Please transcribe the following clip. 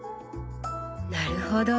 なるほど。